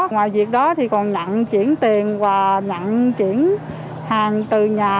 ngoài việc đó thì còn nặng chuyển tiền và nhận chuyển hàng từ nhà